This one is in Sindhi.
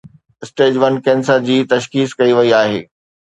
اسٽيج ون ڪينسر جي تشخيص ڪئي وئي آهي.